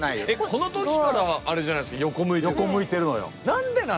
この時からあれじゃないですか横向いてるじゃないですか。